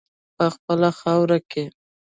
په خپله خاوره کې.